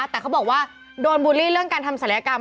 แต่เขาบอกว่าโดนบูลลี่เรื่องการทำศัลยกรรม